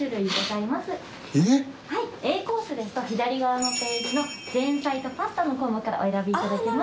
Ａコースですと左側のページの前菜とパスタの項目からお選びいただけます。